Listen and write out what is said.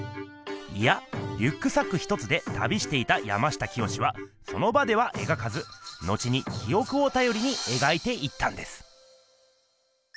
いやリュックサック１つで旅していた山下清はその場ではえがかずのちにきおくをたよりにえがいていったんです。